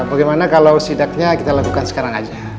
bagaimana kalau sidaknya kita lakukan sekarang aja